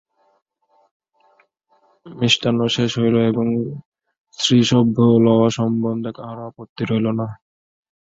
মিষ্টান্ন শেষ হইল এবং স্ত্রীসভ্য লওয়া সম্বন্ধে কাহারো আপত্তি হইল না।